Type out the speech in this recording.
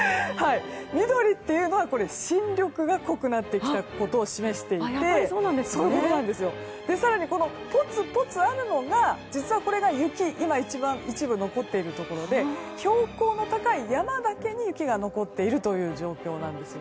緑は新緑が濃くなったことを示していて更にぽつぽつあるのが雪で今、一部残っているところで標高の高い山だけに雪が残っている状況です。